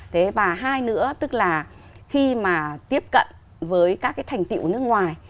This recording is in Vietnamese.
thế và hai nữa tức là khi mà tiếp cận với các cái thành tiệu của nước ngoài